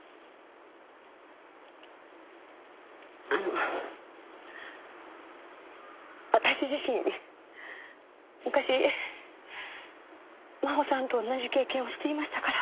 あの私自身昔真穂さんと同じ経験をしていましたから。